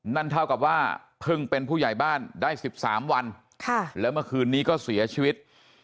นั่นเท่ากับว่าเพิ่งเป็นผู้ใหญ่บ้านได้๑๓วันแล้วเมื่อคืนนี้ก็เสียชีวิต